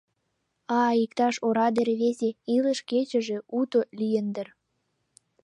— Ай, иктаж ораде рвезе, илыш кечыже уто лийын дыр.